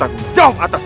aku akan menang